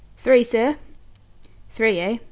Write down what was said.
"Three, sir." "Three, eh?